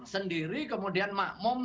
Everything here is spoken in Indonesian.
sendiri kemudian makmum